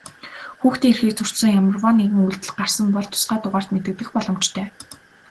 Хүүхдийн эрхийг зөрчсөн ямарваа нэгэн үйлдэл гарсан бол тусгай дугаарт мэдэгдэх боломжтой.